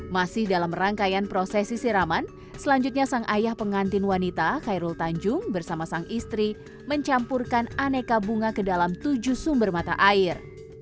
masih dalam rangkaian prosesi siraman selanjutnya sang ayah pengantin wanita khairul tanjung bersama sang istri mencampurkan aneka bunga ke dalam tujuh sumber mata air